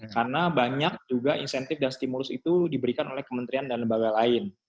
karena banyak juga insentif dan stimulus itu diberikan oleh kementerian dan lembaga lain